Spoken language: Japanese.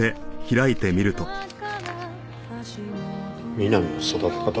「美波の育て方」？